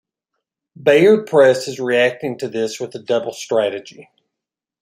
Bayard Press is reacting to this with a double strategy.